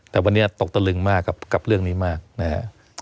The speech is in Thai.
แต่วันนี้ตกตะลึงมากกับเรื่องนี้มากนะครับ